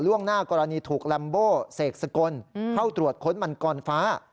หน้ากรณีถูกลัมโบเสกสกลเข้าตรวจค้นมันกรฟ้า